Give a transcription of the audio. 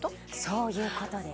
そういうことです